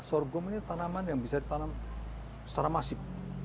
sorghum ini tanaman yang bisa ditanam secara masif